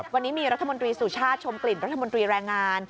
วันนี้มีรัฐมนตรีสุชาติชมกลิ่นรัฐมนตรีแรงงาน